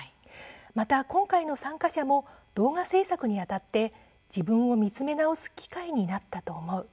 また、今回の参加者も動画制作にあたって自分を見つめ直す機会になったと思う。